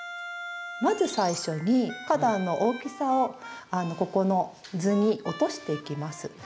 まず最初に花壇の大きさをここの図に落としていきます。